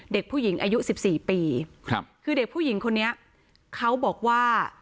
เด็กผู้หญิงอายุสิบสี่ปีครับคือเด็กผู้หญิงคนนี้เขาบอกว่า